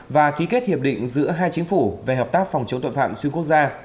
và ký kết hiệp định giữa hai chính phủ về hợp tác phòng chống tội phạm xuyên quốc gia